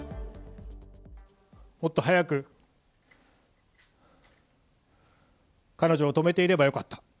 もっと早く彼女を止めていればよかった。